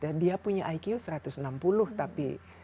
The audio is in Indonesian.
dan dia punya iq satu ratus enam puluh tapi